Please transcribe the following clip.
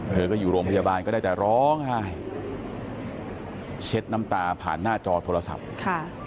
เธอก็อยู่โรงพยาบาลก็ได้แต่ร้องไห้เช็ดน้ำตาผ่านหน้าจอโทรศัพท์ค่ะ